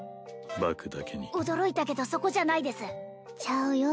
バクだけに驚いたけどそこじゃないですちゃうよ